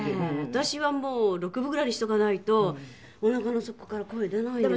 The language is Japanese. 私はもう６分ぐらいにしておかないとおなかの底から声出ないですよ。